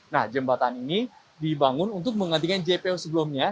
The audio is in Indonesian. nah jembatan ini dibangun untuk menggantikan jpo sebelumnya